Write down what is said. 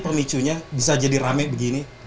pemicunya bisa jadi rame begini